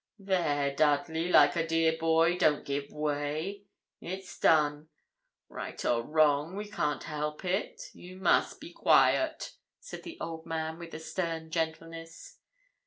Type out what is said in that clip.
'There, Dudley, like a dear boy, don't give way; it's done. Right or wrong, we can't help it. You must be quiet,' said the old man, with a stern gentleness.